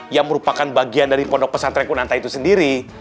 yang merupakan bagian dari pondok pesantren kunanta itu sendiri